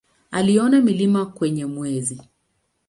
Aliona milima kwenye Mwezi.